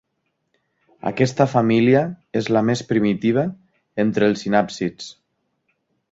Aquesta família és la més primitiva entre els sinàpsids.